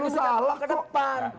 ini bukan apa ke depan